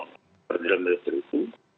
yang berdalam militer itu